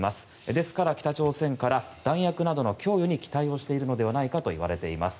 ですから北朝鮮から弾薬などの供与に期待をしているのではないかといわれています。